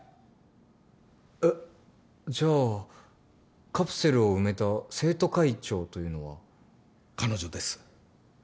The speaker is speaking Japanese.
えっじゃあカプセルを埋めた生徒会長というのは。彼女です。